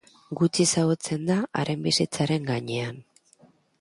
Gutxi ezagutzen da haren bizitzaren gainean.